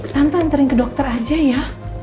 tante sering ke dokter aja ya